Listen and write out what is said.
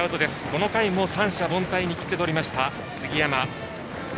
この回も三者凡退に切って取りました、杉山。